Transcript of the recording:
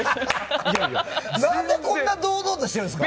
何で堂々としてるんですか。